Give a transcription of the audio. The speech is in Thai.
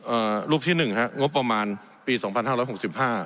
รูปที่หนึ่งฮะงบประมาณปีสองพันห้าร้อยหกสิบห้า